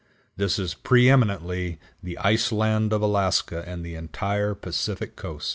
This is preëminently the ice land of Alaska and of the entire Pacific Coast.